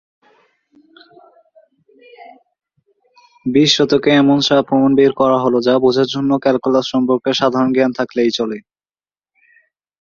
বিশ শতকে, এমন সা প্রমাণ বের করা হল যা বোঝার জন্য ক্যালকুলাস সম্পর্কে সাধারণ জ্ঞান থাকলেই চলে।